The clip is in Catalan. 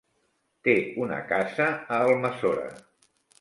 Té una casa a Almassora.